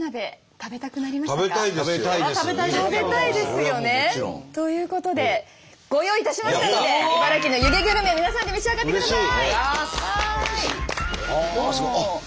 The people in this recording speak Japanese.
食べたいですよね。ということでご用意いたしましたので茨城の湯気グルメ皆さんで召し上がってください。